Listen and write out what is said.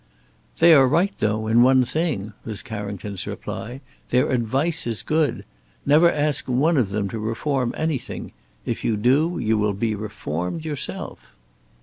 "They are right, though, in one thing," was Carrington's reply: "their advice is good. Never ask one of them to reform anything; if you do, you will be reformed yourself."